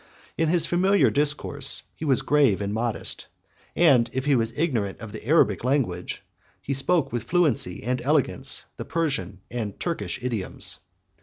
In his familiar discourse he was grave and modest, and if he was ignorant of the Arabic language, he spoke with fluency and elegance the Persian and Turkish idioms.